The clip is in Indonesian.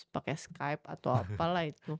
pakai skype atau apa lah itu